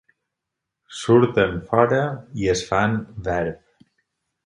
Surten fora i es fan verb.